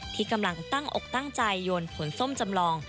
ที่กำลังตั้งอกตั้งใจโยนผลส้มจำลอง